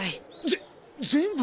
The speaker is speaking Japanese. ぜ全部！？